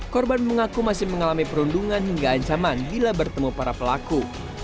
korban mengaku masih mengalami perundungan hingga ancaman bila bertemu para pelaku